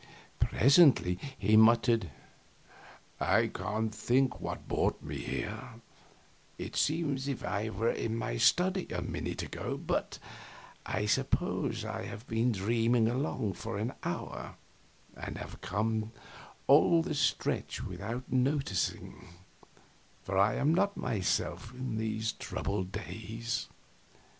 Presently he muttered, "I can't think what brought me here; it seems as if I were in my study a minute ago but I suppose I have been dreaming along for an hour and have come all this stretch without noticing; for I am not myself in these troubled days."